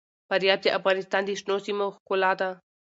فاریاب د افغانستان د شنو سیمو ښکلا ده.